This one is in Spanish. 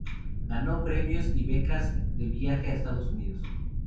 Ganó premios y becas de viaje a Estados Unidos.